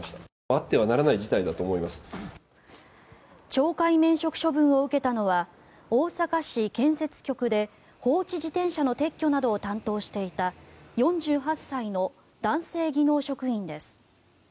懲戒免職処分を受けたのは大阪市建設局で放置自転車の撤去などを担当していた４８歳の男性技能職員です。